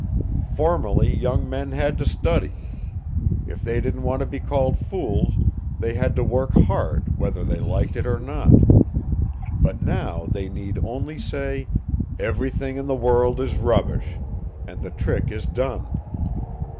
Formerly young men had to study. If they didn't want to be called fools they had to work hard whether they liked it or not. But now they need only say 'Everything in the world is rubbish!' and the trick is done.